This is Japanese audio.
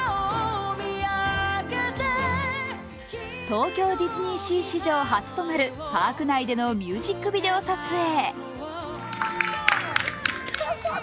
東京ディズニーシー史上初となるパーク内でのビデオ撮影。